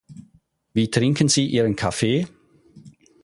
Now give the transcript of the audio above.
Wie trinken Sie Ihren Kaffee?